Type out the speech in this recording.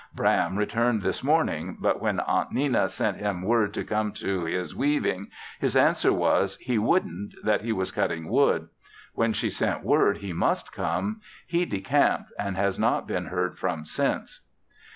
Bram returned this morning, but when Aunt Nenna sent him word to come to his weaving; his answer was, he wouldn't, that he was cutting wood. When she sent word he must come, he decamped and has not been heard from since.